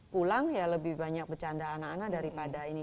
pulang ya lebih banyak bercanda anak anak daripada ini